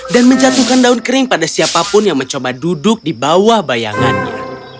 menjatuhkan daun kering pada siapapun yang mencoba duduk di bawah bayangannya